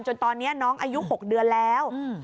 จนตอนเนี้ยน้องอายุหกเดือนแล้วอืม